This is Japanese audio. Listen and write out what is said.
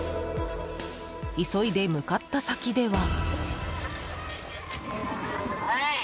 急いで向かった先では。